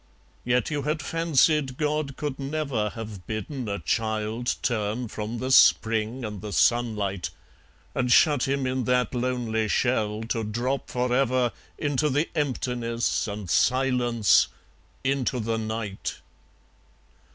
(Yet, you had fancied, God could never Have bidden a child turn from the spring and the sunlight, And shut him in that lonely shell, to drop for ever Into the emptiness and silence, into the night.